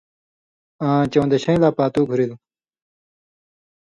آں چؤن٘دشَیں لا پاتُو گُھرِل۔